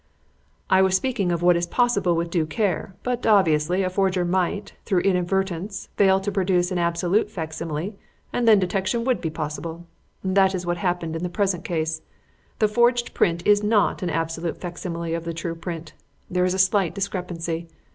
"I was speaking of what is possible with due care, but, obviously, a forger might, through inadvertence, fail to produce an absolute facsimile and then detection would be possible. That is what has happened in the present case. The forged print is not an absolute facsimile of the true print. There is a slight discrepancy.